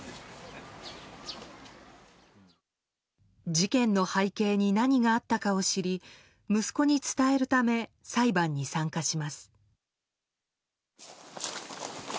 事件の背景に何があったかを知り息子に伝えるため裁判に参加します。